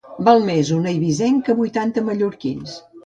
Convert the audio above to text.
Val més un eivissenc que vuitanta mallorquins.